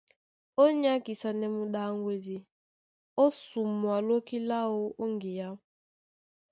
Ó nyákisanɛ muɗaŋgwedi ó sumwa lóki láō ó ŋgeá.